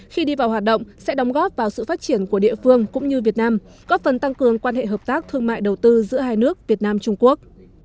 khi đi vào hoạt động sẽ đóng góp vào sự phát triển của địa phương cũng như việt nam góp phần tăng cường quan hệ hợp tác thương mại đầu tư giữa hai nước việt nam trung quốc